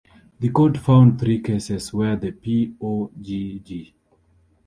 The Court found three cases where the p.o.g.g.